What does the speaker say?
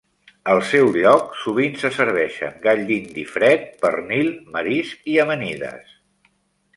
Al seu lloc, sovint se serveixen gall dindi fred, pernil, marisc i amanides.